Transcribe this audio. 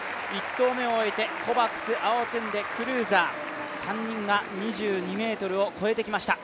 １投目を終えて、コバクス、アウォトゥンデ、クルーザー、３人が２２ｍを越えてきました。